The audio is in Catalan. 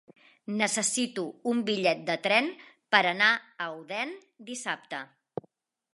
Necessito un bitllet de tren per anar a Odèn dissabte.